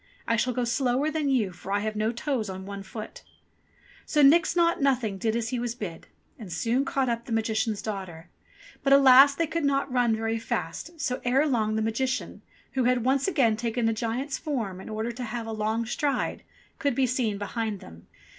I shall go slower than you for I have no toes on one foot !" So Nix Naught Nothing did as he was bid, and soon caught up the Magician's daughter. But alas ! they could NIX NAUGHT NOTHING 187 not run very fast, so ere long the Magician, who had once again taken a giant's form in order to have a long stride, could be seen behind them.